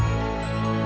dia udah bales belum ya